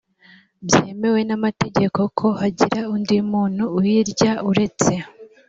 byemewe n’amategeko, ko hagira undi muntu uyirya uretse